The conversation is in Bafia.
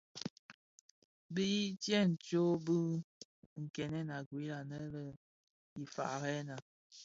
Be yii tsè kōm bi nkènèn a gued anë yō Ifëërèna.